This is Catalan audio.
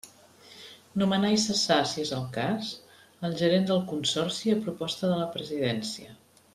Nomenar i cessar, si és el cas, el gerent del Consorci, a proposta de la Presidència.